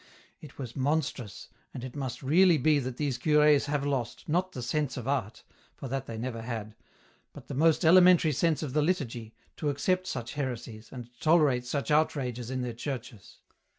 It was monstrous, and it must really be that these cures have lost, not the sense of art, for that they never had, but the most elementary sense of the liturgy, to accept such heresies, and tolerate such outrages in their churches.